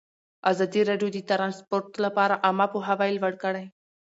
ازادي راډیو د ترانسپورټ لپاره عامه پوهاوي لوړ کړی.